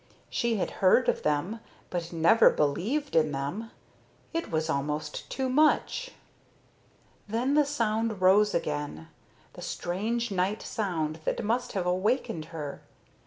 She had heard of them but never believed in them. It was almost too much. Then the sound rose again, the strange night sound that must have awakened her.